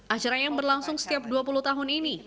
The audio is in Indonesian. acara yang berlangsung setiap dua puluh tahun ini